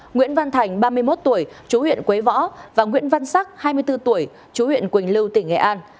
nguyễn văn thành ba mươi một tuổi chú huyện quế võ và nguyễn văn sắc hai mươi bốn tuổi chú huyện quỳnh lưu tỉnh nghệ an